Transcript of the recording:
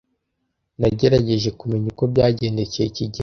Nagerageje kumenya uko byagendekeye kigeli.